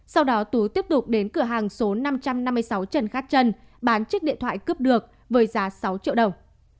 sau đó tú tiếp tục đến cửa hàng số năm trăm năm mươi sáu trần khát trân bán chiếc điện thoại cướp được với giá sáu triệu đồng